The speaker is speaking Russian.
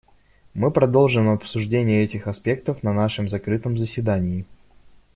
Мы продолжим обсуждение этих аспектов на нашем закрытом заседании.